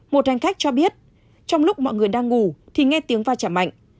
một hành khách cho biết trong lúc mọi người đang ngủ thì nghe tiếng va chạm mạnh